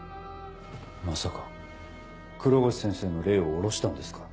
まさか黒越先生の霊を降ろしたんですか？